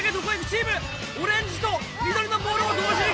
チームオレンジと緑のボールを同時にゲット！